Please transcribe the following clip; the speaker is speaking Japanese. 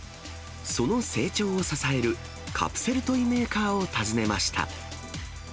その成長を支えるカプセルトイメーカーを訪ねました。